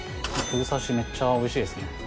めっちゃおいしいですね。